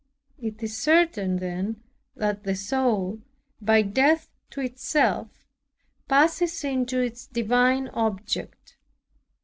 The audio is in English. It is certain then that the soul, by death to itself, passes into its divine Object.